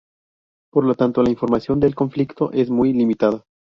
Por lo tanto, la información del conflicto es muy limitada.